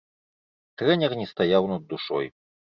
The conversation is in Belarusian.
Трэнер не стаяў над душой.